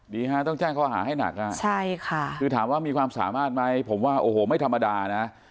ดีฮะต้องแจ้งข้อหาให้หนักอ่ะใช่ค่ะคือถามว่ามีความสามารถไหมผมว่าโอ้โหไม่ธรรมดานะ